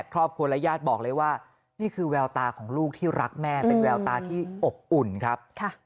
ครอบครัวและญาติบอกเลยว่านี่คือแววตาของลูกที่รักแม่เป็นแววตาที่อบอุ่นครับ